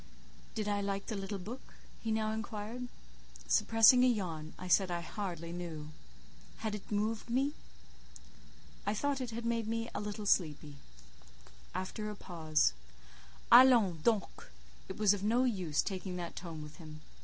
"Did I like the little book?" he now inquired. Suppressing a yawn, I said I hardly knew. "Had it moved me?" "I thought it had made me a little sleepy." (After a pause:) "Allons donc! It was of no use taking that tone with him.